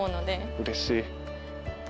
うれしい。